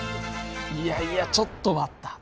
いやいやちょっと待った。